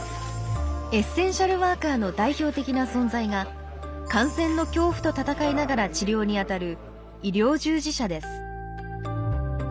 エッセンシャルワーカーの代表的な存在が感染の恐怖と闘いながら治療に当たる医療従事者です。